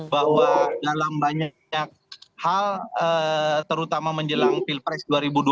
bahwa dalam banyak hal terutama menjelang pilpres dua ribu dua puluh